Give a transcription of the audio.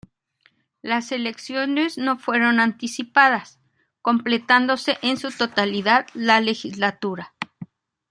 Las elecciones no fueron anticipadas, completándose en su totalidad la legislatura.